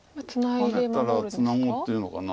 ハネたらツナごうっていうのかな。